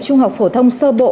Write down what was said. trung học phổ thông sơ bộ